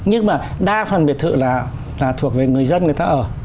nhưng mà đa phần biệt thự là thuộc về người dân người ta ở